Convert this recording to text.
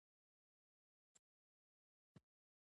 د خولې لاړې د غاښونو مخ پاکوي.